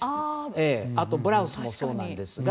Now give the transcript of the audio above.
あと、ブラウスもそうですが。